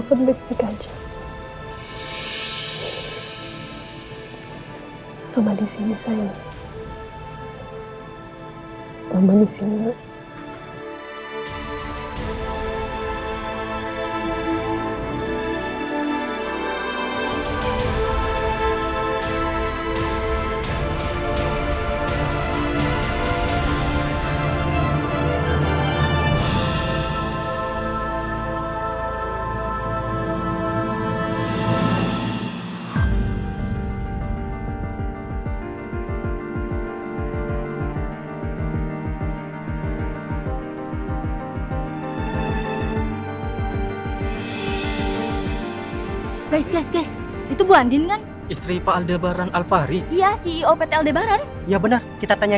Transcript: sampai jumpa di video selanjutnya